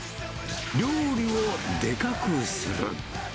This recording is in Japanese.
料理をでかくする！